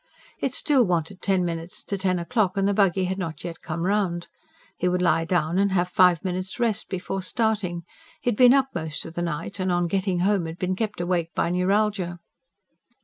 It still wanted ten minutes to ten o'clock and the buggy had not yet come round. He would lie down and have five minutes' rest before starting: he had been up most of the night, and on getting home had been kept awake by neuralgia.